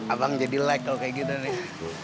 abang jadi like kalau kayak gitu nih